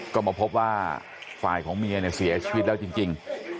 ก็มาพบว่าฝ่ายของเมียเนี่ยเสียชีวิตแล้วจริง